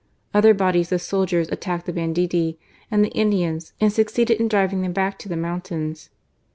Other bodies of soldiers attacked the banditti and Indians and succeeded in driving them back to the mountains.